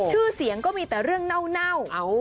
ชื่อเสียงก็มีแต่เรื่องเน่า